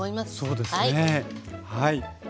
そうですねはい。